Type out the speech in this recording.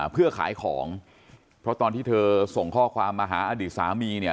เพื่อขายของเพราะตอนที่เธอส่งข้อความมาหาอดีตสามีเนี่ย